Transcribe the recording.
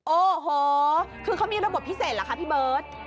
โอ้โหคือเขามีระบบพิเศษเหรอคะพี่เบิร์ต